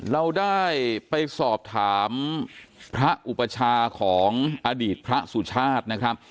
เราได้ไปสอบถามพระอุปชาของอดีตพระสุชาตินะครับ